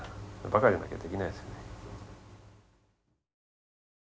バカじゃなきゃできないですよね。